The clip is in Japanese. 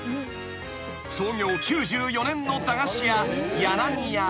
［創業９４年の駄菓子屋］